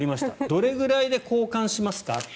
どれぐらいで交換しますか？